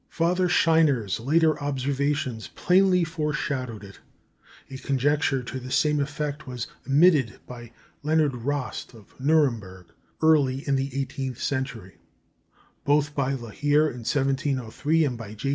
Father Scheiner's later observations plainly foreshadowed it; a conjecture to the same effect was emitted by Leonard Rost of Nuremburg early in the eighteenth century; both by Lahire in 1703 and by J.